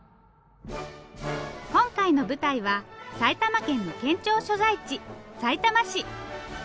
今回の舞台は埼玉県の県庁所在地さいたま市。